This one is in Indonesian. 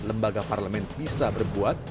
lembaga parlemen bisa berbuat